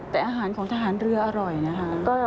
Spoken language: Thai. แต่อาหารของทหารเรืออร่อยนะคะ